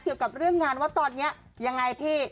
เกี่ยวกับเรื่องงานว่าตอนนี้ยังไงพี่